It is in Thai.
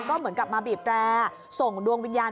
ก็เหมือนกับมาบีบแร่ส่งดวงวิญญาณ